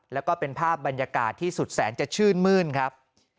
แล้วก็เป็นภาพบรรยากาศที่สุดแสนจะชื่นมื้นครับ